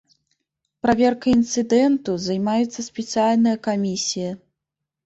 Праверкай інцыдэнту займаецца спецыяльная камісія.